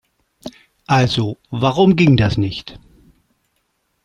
Also, warum ging das nicht?